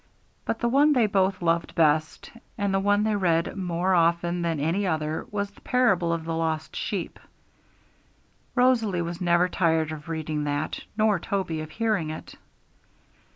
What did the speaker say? But the one they both loved best, and the one they read more often than any other, was the parable of the Lost Sheep. Rosalie was never tired of reading that, nor Toby of hearing it.